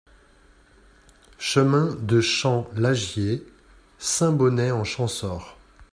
Chemin de Champ Lagier, Saint-Bonnet-en-Champsaur